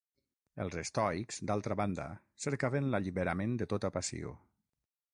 Els estoics, d'altra banda, cercaven l'alliberament de tota passió.